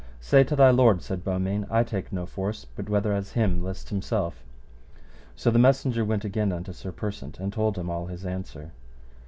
Say to thy lord, said Beaumains, I take no force, but whether as him list himself. So the messenger went again unto Sir Persant and told him all his answer.